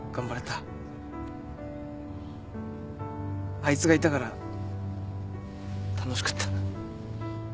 あいつがいたから楽しかった。